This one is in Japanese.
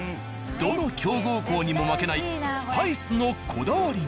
どの強豪校にも負けないスパイスのこだわり。